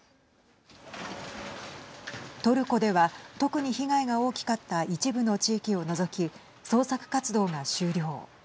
トルコでは特に被害が大きかった一部の地域を除き捜索活動が終了。